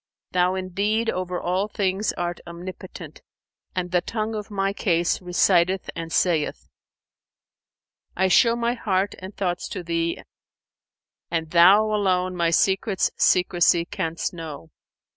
Thou indeed over all things art Omnipotent and the tongue of my case reciteth and saith, 'I show my heart and thoughts to Thee, and Thou * Alone my secret's secrecy canst know.